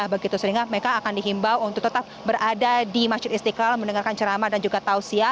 begitu sehingga mereka akan dihimbau untuk tetap berada di masjid istiqlal mendengarkan ceramah dan juga tausia